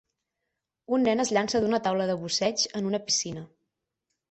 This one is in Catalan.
Un nen es llança d'una taula de busseig en una piscina.